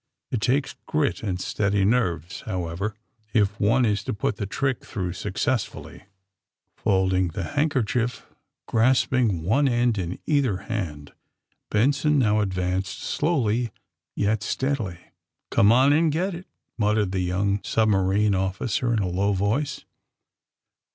It fakes grit and steady nerves, however, if one is to put the trick through successfully. Folding the handkerchief, grasping one end in either hand, Benson now advanced, slowly yet steadily. *^Come on and get it!'^ muttered the young submarine officer, in a low voice.